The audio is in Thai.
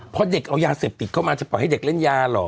เพราะเด็กเอายาเสพติดเข้ามาจะปล่อยให้เด็กเล่นยาเหรอ